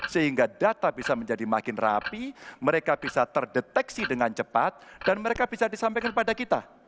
sehingga data bisa menjadi makin rapi mereka bisa terdeteksi dengan cepat dan mereka bisa disampaikan kepada kita